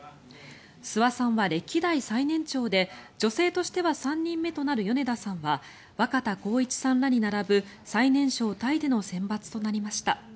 諏訪さんは歴代最年長で女性としては３人目となる米田さんは若田光一さんらに並ぶ最年少タイでの選抜となりました。